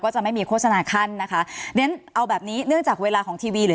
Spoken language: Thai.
จะไม่มีโฆษณาขั้นนะคะเรียนเอาแบบนี้เนื่องจากเวลาของทีวีหรือ